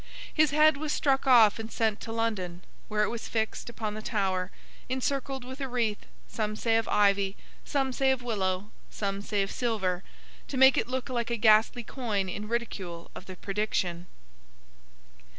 His head was struck off and sent to London, where it was fixed upon the Tower, encircled with a wreath, some say of ivy, some say of willow, some say of silver, to make it look like a ghastly coin in ridicule of the prediction.